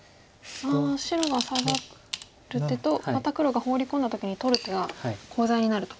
白がサガる手とまた黒がホウリ込んだ時に取る手がコウ材になると。